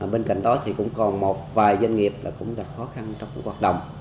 bên cạnh đó thì cũng còn một vài doanh nghiệp là cũng đặt khó khăn trong các hoạt động